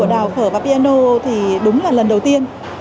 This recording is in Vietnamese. ở đào phở và piano thì đúng là lần đầu tiên